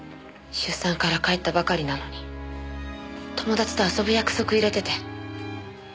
出産から帰ったばかりなのに友達と遊ぶ約束入れてて。